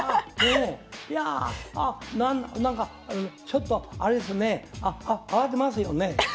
いやあなんかちょっとあれですね慌てますよね。